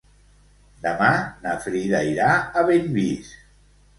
Demà na Frida irà a Bellvís.